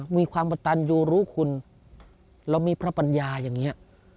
มีความกระตันยูรู้คุณเรามีพระปัญญาอย่างนี้